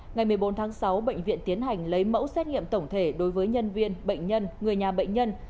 ngày một mươi bốn tháng sáu bệnh viện tiến hành lấy mẫu xét nghiệm tổng thể đối với nhân viên bệnh nhân người nhà bệnh nhân